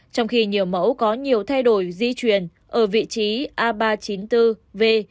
trong khi nhiều mẫu có nhiều thay đổi di truyền ở vị trí a ba trăm chín mươi bốn v